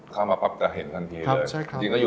เข้ามาจะเห็นทันเมื่อทีเลย